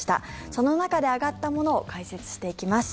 その中で挙がったものを解説していきます。